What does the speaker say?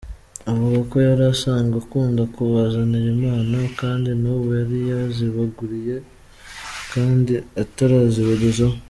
Avuga ko yari asanzwe akunda kubazanira impano kandi n’ubu yari yazibaguriye kandi atarazibagezaho.